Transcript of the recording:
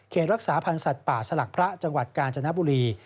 รักษาพันธ์สัตว์ป่าสลักพระจังหวัดกาญจนบุรี